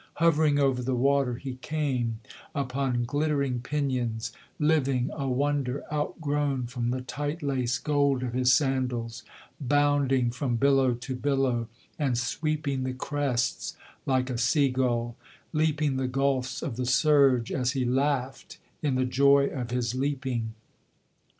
Hovering over the water he came, upon glittering pinions, Living, a wonder, outgrown from the tight laced gold of his sandals; Bounding from billow to billow, and sweeping the crests like a sea gull; Leaping the gulfs of the surge, as he laughed in the joy of his leaping.